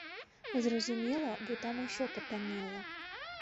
Зразумела, бо там усё патаннела.